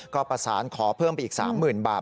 ก็ประสานขอเพิ่มไปอีก๓๐๐๐บาท